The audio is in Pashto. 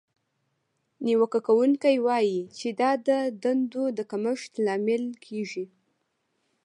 نیوکه کوونکې وایي چې دا د دندو د کمښت لامل کیږي.